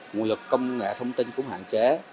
nguồn lực công nghệ thông tin cũng hạn chế